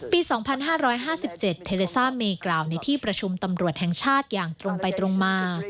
ปี๒๕๕๗เทเลซ่าเมกล่าวในที่ประชุมตำรวจแห่งชาติอย่างตรงไปตรงมา